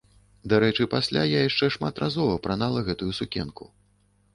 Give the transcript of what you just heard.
Дарэчы, пасля я яшчэ шмат разоў апранала гэтую сукенку.